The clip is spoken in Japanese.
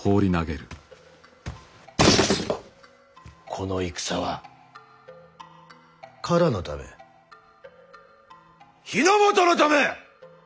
この戦は唐のため日ノ本のため！